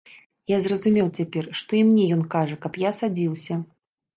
Я зразумеў цяпер, што і мне ён кажа, каб я садзіўся.